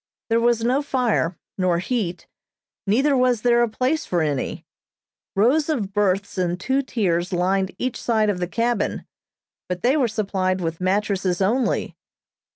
There was no fire, nor heat, neither was there a place for any. Rows of berths in two tiers lined each side of the cabin, but they were supplied with mattresses only.